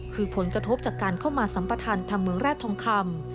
คือผลกระทบจากการเข้ามาสัมปทันทำเมืองแร่ทองคำ